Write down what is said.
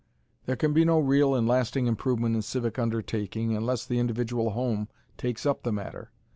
There can be no real and lasting improvement in civic undertaking unless the individual home takes up the matter.